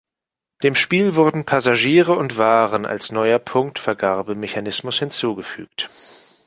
Dem Spiel wurden Passagiere und Waren als neuer Punktevergabe-Mechanimus hinzugefügt.